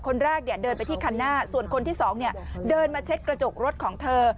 คนแรกเนี่ยเดินไปที่คันหน้าส่วนคนที่สองเนี่ยเดินมาเช็ดกระจกรถของเธอ